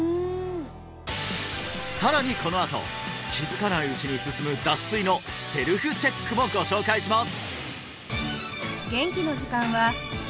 さらにこのあと気づかないうちに進む脱水のセルフチェックもご紹介します！